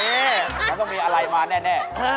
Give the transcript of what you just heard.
มันต้องมีอะไรมาแน่